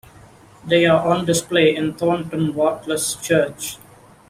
They are on display in Thornton Watlass Church.